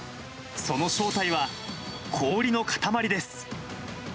その正体は、氷の塊です。